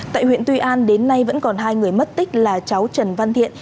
tại huyện tuy an đến nay vẫn còn hai người mất tích là cháu trần văn thiện